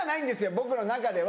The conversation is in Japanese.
僕の中では。